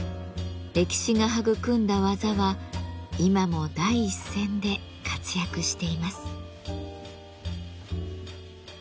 歴史が育んだ技は今も第一線で活躍しています。